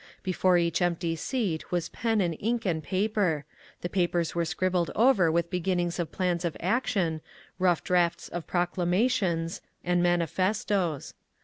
Before each empty seat was pen and ink and paper; the papers were scribbled over with beginnings of plans of action, rough drafts of proclamations and manifestos.